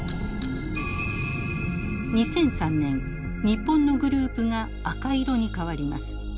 ２００３年日本のグループが赤色に変わります。